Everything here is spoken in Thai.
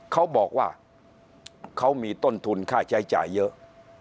เขาบอกว่าเขามีต้นทุนค่าใช้จ่ายเยอะ